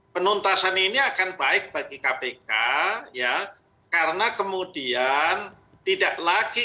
penuntasan ini akan baik bagi kpk ya karena kemudian tidak lagi